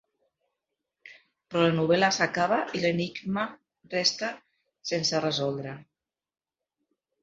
Però la novel.la s'acaba i l'enigma resta sense resoldre.